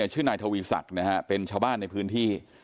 ชื่อนายทวีศกเป็นชาวบ้านในพื้นที่